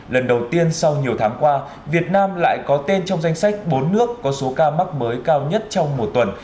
lần đầu tiên sau nhiều tháng qua việt nam lại có tên trong danh sách bốn nước có số ca mắc mới cao nhất trong một tuần